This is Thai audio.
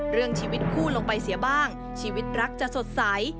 เรื่องชีวิตคู่ลงไปเสียบ้างชีวิตรักจะสดใส